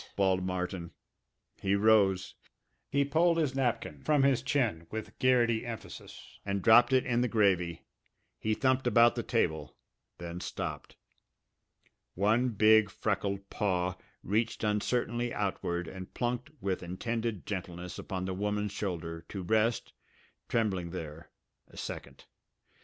bawled Martin. He rose. He pulled his napkin from his chin with Garrity emphasis and dropped it in the gravy. He thumped about the table, then stopped. One big freckled paw reached uncertainly outward and plunked with intended gentleness upon the woman's shoulder, to rest, trembling there, a second.